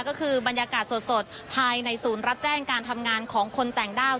ก็คือบรรยากาศสดภายในศูนย์รับแจ้งการทำงานของคนต่างด้าว